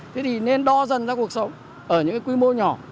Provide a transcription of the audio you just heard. thế thì nên đo dần ra cuộc sống ở những cái quy mô nhỏ